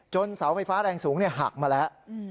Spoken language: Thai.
เสาไฟฟ้าแรงสูงหักมาแล้ว